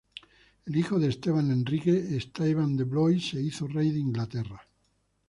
El hijo de Esteban Enrique, Esteban de Blois se hizo Rey de Inglaterra.